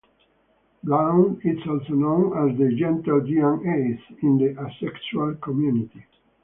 Blount is also known as the "Gentle Giant Ace" in the asexual community.